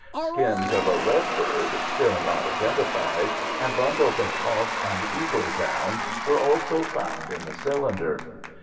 Skins of a red bird, still not identified, and bundles of hawk and eagle down were also found in the cylinder.